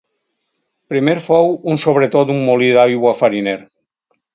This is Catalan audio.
Primer fou un sobretot un molí d'aigua fariner.